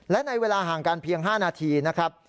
และในเวลาห่างกันเพียง๕นาทีนะครับ